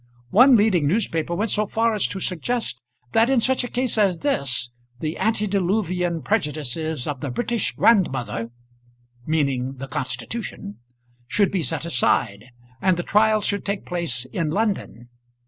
One leading newspaper went so far as to suggest, that in such a case as this, the antediluvian prejudices of the British grandmother meaning the Constitution should be set aside, and the trial should take place in London.